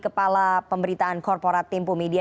kepala pemberitaan korporat tempo media